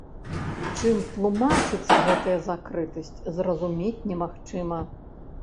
Чым тлумачыцца гэтая закрытасць, зразумець немагчыма.